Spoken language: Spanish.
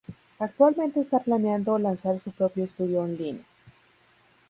Actualmente está planeando lanzar su propio estudio online.